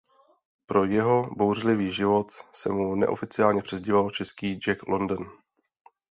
Pro jeho bouřlivý život se mu neoficiálně přezdívalo "český Jack London".